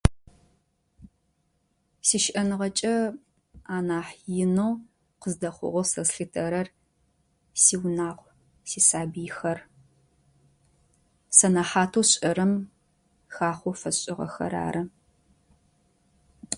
Сищыӏэныгъэкӏэ анахь инэу къыздэхъугъэу сэ слъытэрэр: сиунагъу, сисабыйхэр. Сэнэхьатэу сшӏэрэм хахъоу фэсшӏыгъэхэр ары.